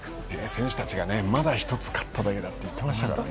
選手たちがまだ１つ勝っただけだといっていたので。